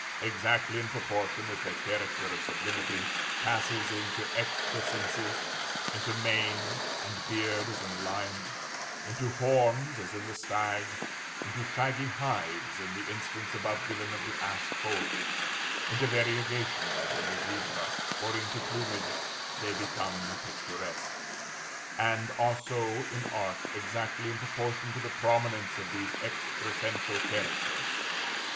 Exactly in proportion as their character of sublimity passes into excrescences; into mane and beard as in the lion, into horns as in the stag, into shaggy hide as in the instance above given of the ass colt, into variegation as in the zebra, or into plumage, they become picturesque, and are so in art exactly in proportion to the prominence of these excrescential characters.